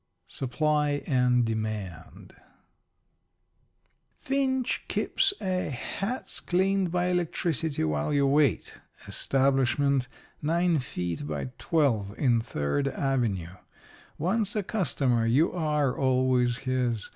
SUPPLY AND DEMAND Finch keeps a hats cleaned by electricity while you wait establishment, nine feet by twelve, in Third Avenue. Once a customer, you are always his.